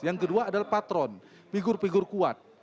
yang kedua adalah patron figur figur kuat